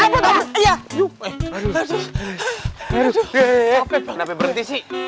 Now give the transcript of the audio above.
kenapa berhenti sih